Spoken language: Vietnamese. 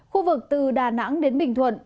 khu vực từ đà nẵng đến bình thuận